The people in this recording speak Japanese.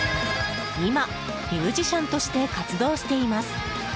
今、ミュージシャンとして活動しています。